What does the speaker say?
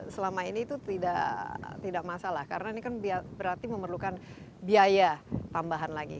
selama ini itu tidak masalah karena ini kan berarti memerlukan biaya tambahan lagi